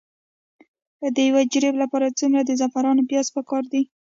د یو جریب لپاره څومره د زعفرانو پیاز پکار دي؟